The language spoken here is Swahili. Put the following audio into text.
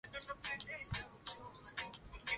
Usiandike vitu vingi sana